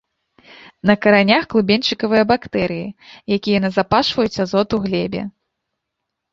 На каранях клубеньчыкавыя бактэрыі, якія назапашваюць азот у глебе.